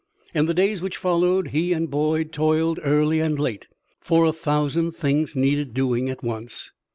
In the days which followed he and Boyd toiled early and late, for a thousand things needed doing at once.